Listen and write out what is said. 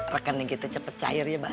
makan nih kita cepet cair ya bayi